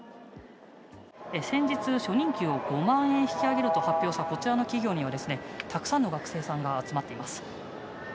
先日、初任給を５万円引き上げると発表したこちらの企業には、たくさんの学生さんが集まっています。